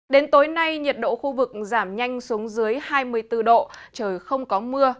đến tối nay nhiệt độ khu vực giảm nhanh xuống dưới hai mươi bốn độ trời không có mưa